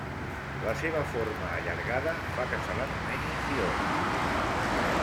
La seva forma allargada fa que se l'anomeni fiord.